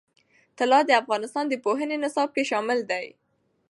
طلا د افغانستان د پوهنې نصاب کې شامل دي.